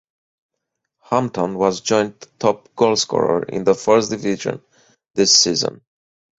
Hampton was joint top goalscorer in the First Division this season.